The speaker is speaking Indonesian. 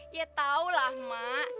ya tau lah mak